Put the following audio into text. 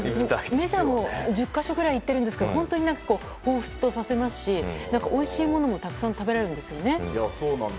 メジャーも１０か所ぐらい行ってるんですけどほうふつとさせますしおいしいものもたくさん食べれるんですよね。